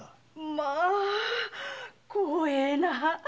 まあ光栄な。